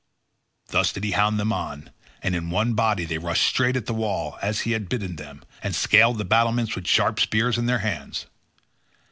Thus did he hound them on, and in one body they rushed straight at the wall as he had bidden them, and scaled the battlements with sharp spears in their hands.